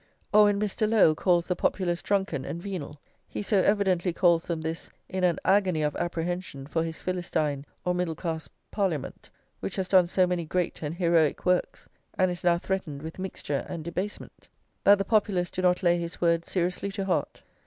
Or when Mr. Lowe calls the Populace drunken and venal, he so evidently calls them this in an agony of apprehension for his Philistine or middle class Parliament, which has done so many great and heroic works, and is now threatened with mixture and debasement, that the Populace do not lay his words seriously to heart.